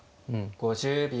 ５０秒。